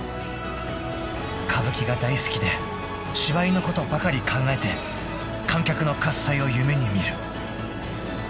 ［歌舞伎が大好きで芝居のことばかり考えて観客の喝采を夢に見る］